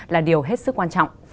là điều hết sức quan trọng